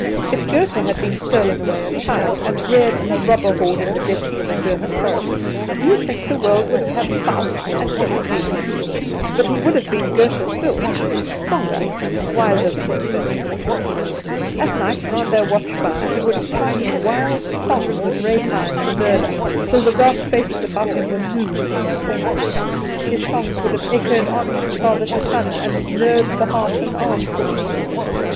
If Goethe had been stolen away a child, and reared in a robber horde in the depths of a German forest, do you think the world would have had "Faust" and "Iphegenie?" But he would have been Goethe still stronger, wiser than his fellows. At night, round their watch fire, he would have chanted wild songs of rapine and murder, till the dark faces about him were moved and trembled. His songs would have echoed on from father to son, and nerved the heart and arm for evil.